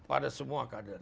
pada semua kader